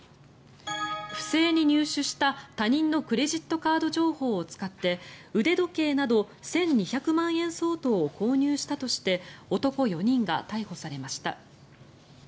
不正に入手した他人のクレジットカード情報を使って腕時計など１２００万円相当を購入したとして男４人が逮捕されました。